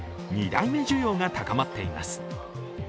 ２台目需要が高まっています。